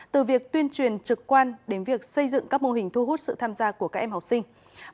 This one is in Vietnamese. từ việc tuyên truyền trực quan đến việc xây dựng các mô hình thu hút sự tham gia của các em học sinh